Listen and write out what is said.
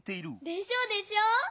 でしょでしょ！